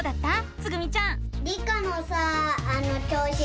つぐみちゃん。